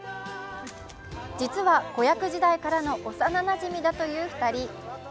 実は子役時代からの幼なじみだという２人。